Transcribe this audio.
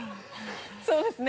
そうですね。